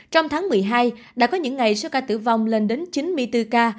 trong tháng một mươi hai đã có những ngày số ca tử vong lên đến chín mươi bốn ca